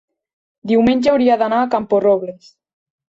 Diumenge hauria d'anar a Camporrobles.